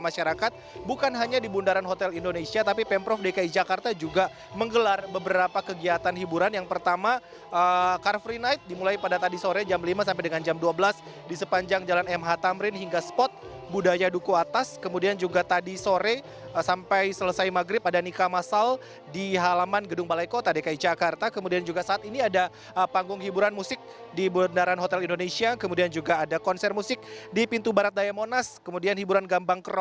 masyarakat bukan hanya di bundaran hotel indonesia tapi pemprov dki jakarta juga menggelar beberapa kegiatan hiburan yang pertama car free night dimulai pada tadi sore jam lima sampai dengan jam dua belas di sepanjang jalan mh tamrin hingga spot budaya duku atas kemudian juga tadi sore sampai selesai maghrib ada nikah masal di halaman gedung balai kota dki jakarta kemudian juga saat ini ada panggung hiburan musik di bundaran hotel indonesia kemudian juga ada konser musik di pintu barat dayamonas kemudian hiburan gambang keron